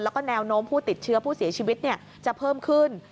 แล้วก็แนวโน้มผู้ติดเชื้อผู้เสียชีวิตจะเพิ่มขึ้น